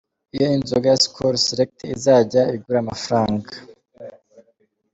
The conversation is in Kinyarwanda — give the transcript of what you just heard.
Iyi nzoga ya Skol Select izajya igura amafaranga